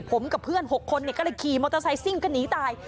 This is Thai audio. ผมกับเพื่อน๖คนก็เลยขี่มอเตอร์ไซซิ่งก็หนีตาย